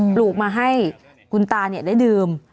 ปลูกมาให้กุญตาเนี่ยได้ดื่ม